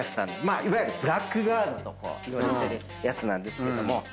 いわゆるブラックガードといわれているやつなんですけども。